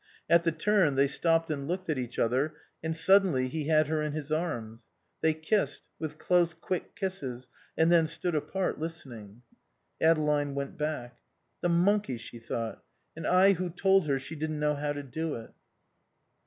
At the turn they stopped and looked at each other, and suddenly he had her in his arms. They kissed, with close, quick kisses and then stood apart, listening. Adeline went back. "The monkey," she thought; "and I who told her she didn't know how to do it."